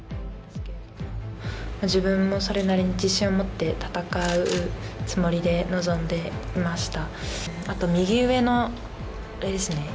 自分もそれなりに自信を持って戦うつもりで臨んでいました。